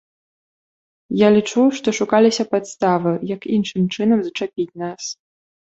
Я лічу, што шукаліся падставы, як іншым чынам зачапіць нас.